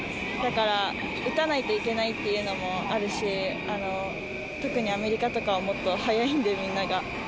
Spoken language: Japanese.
だから打たないといけないっていうのもあるし、特にアメリカとかはもっと早いので、みんなが。